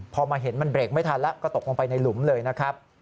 พอมาเห็นมันเบรกไม่ทันแล้วก็ตกลงไปในหลุมเลยนะครับ